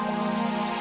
tunggu aku mau